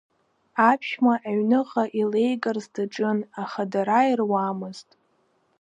Аԥшәма аҩныҟа илеигарц даҿын, аха дара ируамызт.